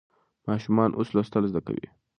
ماشومان اوس لوستل زده کوي.